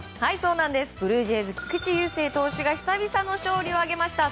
ブルージェイズの菊池雄星投手が久々の勝利を挙げました。